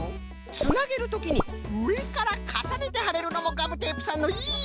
つなげるときにうえからかさねてはれるのもガムテープさんのいいところじゃな。